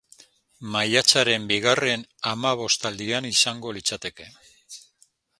Maiatzaren bigarren hamabostaldian izango litzateke.